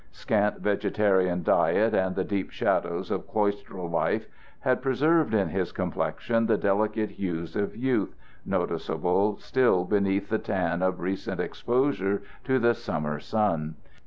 Scant vegetarian diet and the deep shadows of cloistral life had preserved in his complexion the delicate hues of youth, noticeable still beneath the tan of recent exposure to the summer sun.